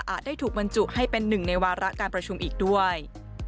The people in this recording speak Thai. ได้ถูกบรรจุให้เป็นหนึ่งในวาระการประชุมอีกด้วย